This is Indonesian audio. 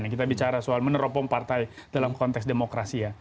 kita bicara soal meneropong partai dalam konteks demokrasi ya